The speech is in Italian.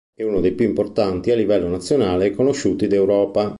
È uno dei più importanti a livello nazionale e conosciuti d'Europa.